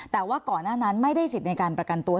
แต่ว่าก่อนหน้านั้นไม่ได้สิทธิ์ในการประกันตัว